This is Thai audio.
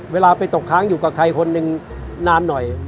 เวลาไปตกค้างอยู่กับใครคนหนึ่งนานหน่อย